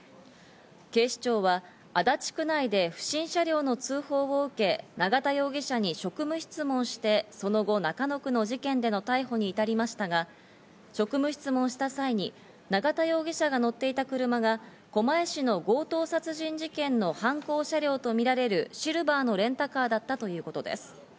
警視庁は足立区内で不審車両の通報を受け、永田容疑者に職務質問して、その後、中野区の事件での逮捕に至りましたが、職務質問した際に永田容疑者が乗っていた車が狛江市の強盗殺人事件の犯行車両とみられる、シルバーのレンタカーだったということです。